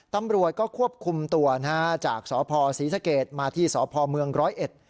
ตำรวจก็ควบคุมตัวนะฮะจากสพศรีสเกตมาที่สพเมืองร้อยเอ็ด